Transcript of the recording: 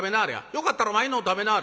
よかったらわいのを食べなはれ」。